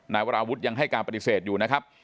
วราวุฒิยังให้การปฏิเสธอยู่นะครับ